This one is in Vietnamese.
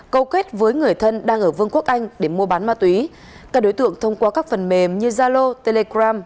câu kết với người thân đang ở vương quốc anh để mua bán ma túy các đối tượng thông qua các phần mềm như zalo telegram